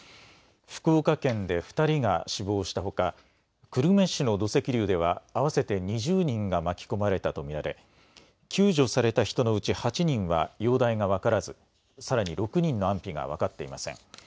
福岡県で２人が死亡したほか、久留米市の土石流では合わせて２０人が巻き込まれたと見られ、救助された人のうち８人は容体が分からず、さらに６人の安否が分かっていません。